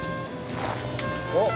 おっ！